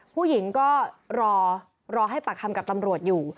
ผู้หญิงก็รอรอให้ปากคำกับตำรวจอยู่